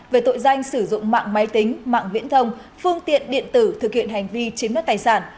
về tội danh sử dụng mạng máy tính mạng viễn thông phương tiện điện tử thực hiện hành vi chiếm đất tài sản